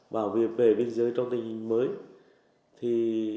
vào việc về biên giới trong tình hình mới